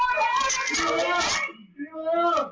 พี่หอล์